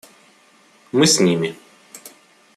Мы с ними.